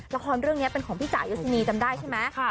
ละครเรื่องนี้เป็นของพี่จ่ายศินีจำได้ใช่ไหม